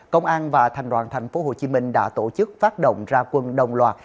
công an và thành đoàn thành phố hồ chí minh đã tổ chức phát động ra quân đồng loạt